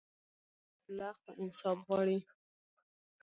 غیرتمند بدله خو انصاف غواړي